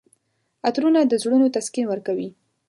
عطرونه د زړونو تسکین ورکوي.